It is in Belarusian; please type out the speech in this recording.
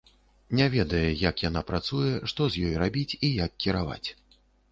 Не ведае, як яна працуе, што з ёй рабіць і як кіраваць.